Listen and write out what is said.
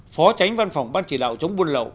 phó tránh văn phòng ban chỉ đạo chống buôn lậu